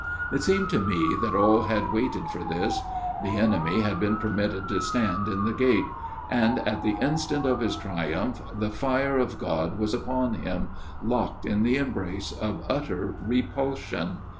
" It seemed to me that all had waited for this. The enemy had been permitted to stand in the gate ; and at the instant of his triumph the fire of God was upon him, locked in the embrace of utter repulsion.